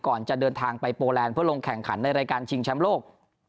ก่อนจะเดินทางไปโปแลนด์เพื่อลงแข่งขันในรายการชิงแชมป์โลก